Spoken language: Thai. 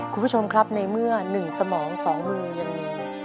คุณผู้ชมครับในเมื่อ๑สมอง๒มือยังมี